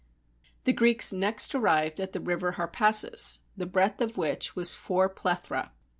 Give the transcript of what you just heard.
The Greeks next arrived at the river Harpasus, the breadth of which was four plethra.